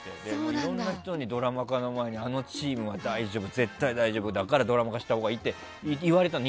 いろんな人にドラマ化の前にあのチームは絶対大丈夫だからドラマ化したほうがいいって言われたの。